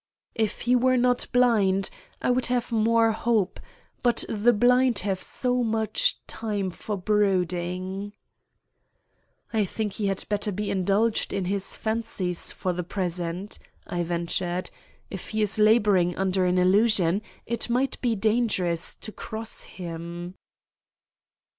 If he were not blind I would have more hope, but the blind have so much time for brooding." "I think he had better be indulged in his fancies for the present," I ventured. "If he is laboring under an illusion it might be dangerous to cross him."